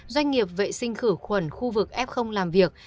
doanh nghiệp vệ sinh khử khuẩn khu vực f làm việc